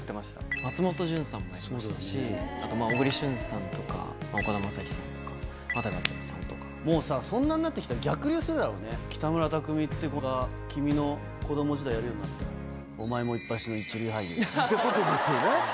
松本潤さんもやってましたし、あと小栗旬さんとか岡田将生君ともうさ、そんなんなってきたら、逆流するだろうね、北村匠海って子が、君の子ども時代やるようになったら、お前もいっぱしの一流俳優だよ。ということですよね。